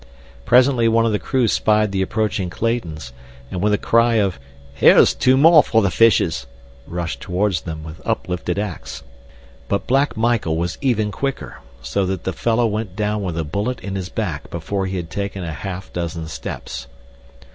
Presently one of the crew spied the approaching Claytons, and with a cry of: "Here's two more for the fishes," rushed toward them with uplifted ax. But Black Michael was even quicker, so that the fellow went down with a bullet in his back before he had taken a half dozen steps.